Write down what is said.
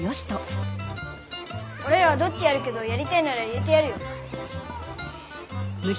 おれらドッジやるけどやりたいなら入れてやるよ。